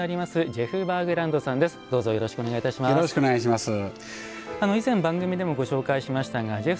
ジェフ・バーグランドさんです。